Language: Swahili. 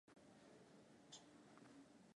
K wizi uliouwazi kabisa